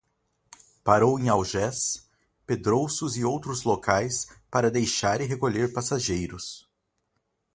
Parou em Algés, Pedrouços e outros locais para deixar e recolher passageiros.